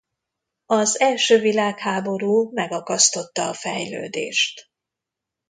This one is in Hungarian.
Az első világháború megakasztotta a fejlődést.